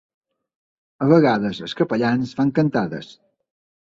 A vegades els capellans fan cantades.